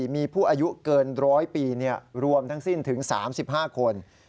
มีผู้อายุเกิน๑๐๐ปีรวมทั้งสิ้นถึง๓๕คน